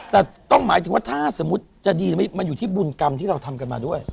แต่ต้องหมายถึงว่าถ้าสมมุติจะดีมันอยู่ที่บุญกรรมที่เราทำกันมาด้วย